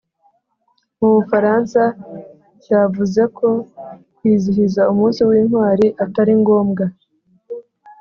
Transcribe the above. mu Bufaransa cyavuze ko kwizihiza umunsi w intwari Atari ngombwa